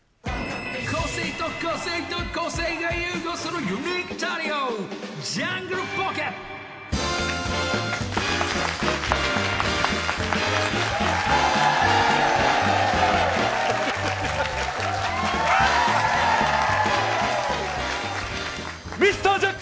個性と個性と個性が融合するユニークトリオジャングルポケット。